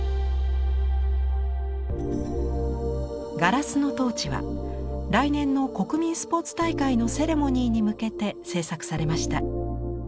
「ガラスのトーチ」は来年の国民スポーツ大会のセレモニーに向けて制作されました。